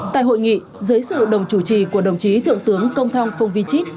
tại hội nghị dưới sự đồng chủ trì của đồng chí thượng tướng công thong phong vi chít